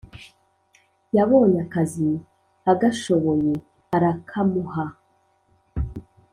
yabonye akazi agashoboye arakamuha